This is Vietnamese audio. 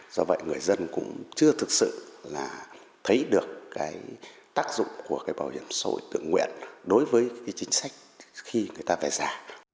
do vậy người dân cũng chưa thực sự là thấy được cái tác dụng của cái bảo hiểm xã hội tự nguyện đối với cái chính sách khi người ta về già